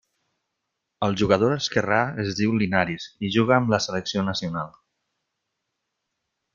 El jugador esquerrà es diu Linares i juga amb la selecció nacional.